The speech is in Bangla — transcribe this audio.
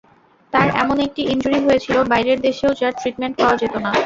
তার এমন একটি ইনজুরি হয়েছিল, বাইরের দেশেও যার ট্রিটমেন্ট পাওয়া যেত না।